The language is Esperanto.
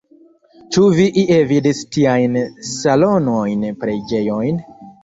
Ĉu vi ie vidis tiajn salonojn, preĝejojn?